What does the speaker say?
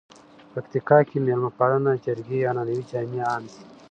پکتیکا کې مېلمه پالنه، جرګې، عنعنوي جامي عام دي.